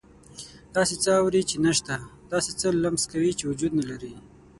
داسې څه اوري چې نه شته، داسې څه لمس کوي چې وجود نه لري.